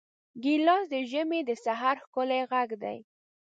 ګیلاس د ژمي د سحر ښکلی غږ دی.